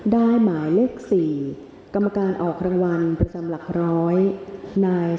หมายเลข๔กรรมการออกรางวัลประจำหลักร้อยนาย